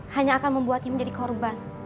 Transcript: hanya akan membuatnya menjadi korban